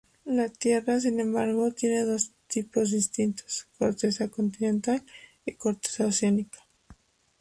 La Tierra, sin embargo, tiene dos tipos distintos: corteza continental y corteza oceánica.